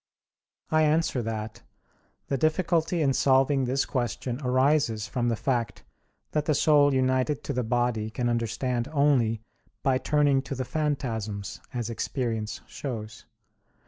I answer that, The difficulty in solving this question arises from the fact that the soul united to the body can understand only by turning to the phantasms, as experience shows.